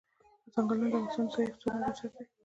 ځنګلونه د افغانستان د ځایي اقتصادونو بنسټ دی.